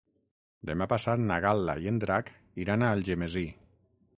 Demà passat na Gal·la i en Drac iran a Algemesí.